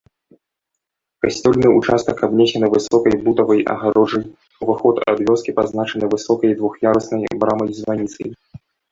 Касцёльны ўчастак абнесены высокай бутавай агароджай, уваход ад вёскі пазначаны высокай двух'яруснай брамай-званіцай.